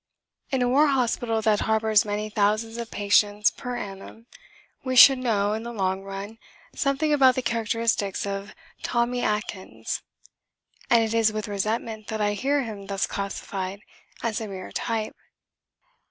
In a war hospital that harbours many thousands of patients per annum, we should know, in the long run, something about the characteristics of Tommy Atkins; and it is with resentment that I hear him thus classified as a mere type. He is not a type.